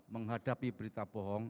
menghadapi berita bohong